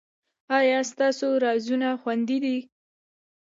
ایا ستاسو رازونه خوندي دي؟